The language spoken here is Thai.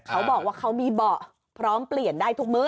เขาบอกว่าเขามีเบาะพร้อมเปลี่ยนได้ทุกมื้อ